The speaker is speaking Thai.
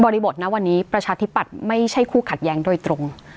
ริบทนะวันนี้ประชาธิปัตย์ไม่ใช่คู่ขัดแย้งโดยตรง